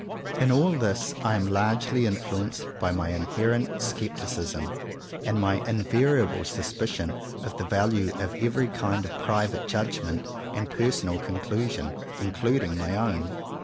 In all this I am largely influenced by my inherent scepticism, and my invariable sus 108 JOHN COWPER POWYS picion of the value of every kind of private judgment and personal conclusion, including my own.